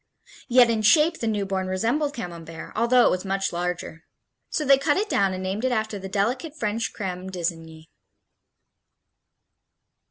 Yet in shape the newborn resembled Camembert, although it was much larger. So they cut it down and named it after the delicate French Creme d'lsigny.